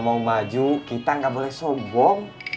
mau baju kita gak boleh sobong